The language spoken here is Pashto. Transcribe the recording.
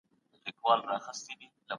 سياسي تګلاري د وخت په تېرېدو بدلون مومي.